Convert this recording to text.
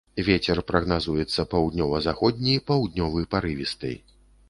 Вецер прагназуецца паўднёва-заходні, паўднёвы парывісты.